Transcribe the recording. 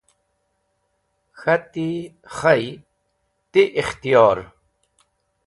K̃hati: Khay, ti ikhtiyor.